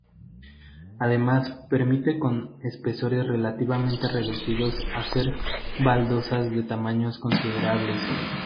Además permite, con espesores relativamente reducidos, hacer baldosas de tamaños considerables.